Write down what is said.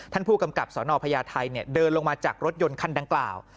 ท่านผู้กำกับสนพญาไทยเดินลงมาจากรถยนต์คันดังกล่าว